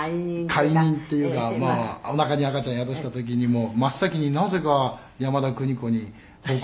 「懐妊っていうかまあおなかに赤ちゃん宿した時にも真っ先になぜか山田邦子に報告してしまったり」